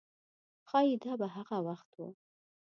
ښایي دا به هغه وخت و.